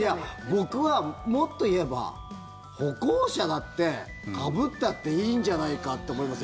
僕はもっといえば歩行者だってかぶったっていいんじゃないかと思います。